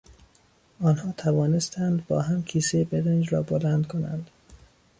آنها توانستند با هم کیسهی برنج را بلند کنند.